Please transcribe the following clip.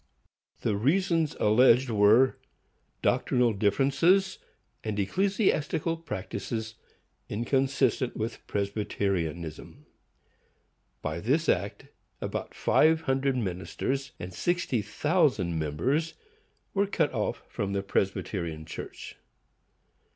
The reasons alleged were, doctrinal differences and ecclesiastical practices inconsistent with Presbyterianism. By this act about five hundred ministers and sixty thousand members were cut off from the Presbyterian Church.